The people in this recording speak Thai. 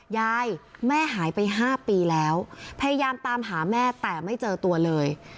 แม่หายไป๕ปีแล้วพยายามตามหาแม่แต่ไม่เจอตัวเลย